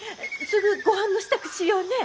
すぐごはんの支度しようね。